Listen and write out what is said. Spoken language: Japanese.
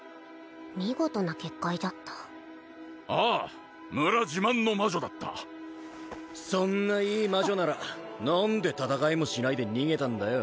見事な結界じゃったああ村自慢の魔女だったそんないい魔女なら何で戦いもしないで逃げたんだよ